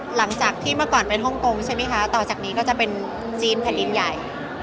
หลังจากที่เมื่อก่อนเป็นฮ่องกงใช่ไหมคะต่อจากนี้ก็จะเป็นจีนแผ่นดินใหญ่